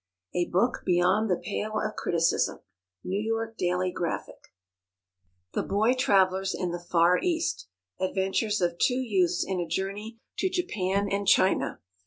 _ "A book beyond the pale of criticism." N. Y. DAILY GRAPHIC. THE Boy Travellers in the Far East. ADVENTURES OF TWO YOUTHS IN A JOURNEY TO JAPAN AND CHINA.